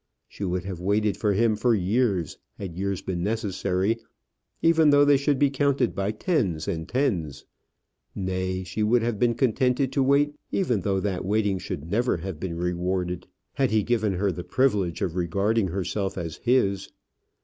She would have waited for him for years had years been necessary, even though they should be counted by tens and tens. Nay, she would have been contented to wait, even though that waiting should never have been rewarded, had he given her the privilege of regarding herself as his.